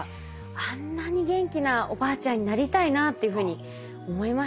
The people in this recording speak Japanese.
あんなに元気なおばあちゃんになりたいなっていうふうに思いましたね。